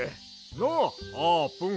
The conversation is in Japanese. なっあーぷん。